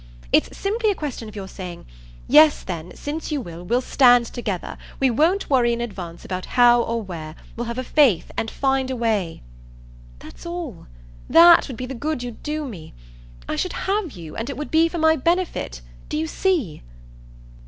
It's simply a question of your saying: 'Yes then, since you will, we'll stand together. We won't worry in advance about how or where; we'll have a faith and find a way.' That's all THAT would be the good you'd do me. I should HAVE you, and it would be for my benefit. Do you see?"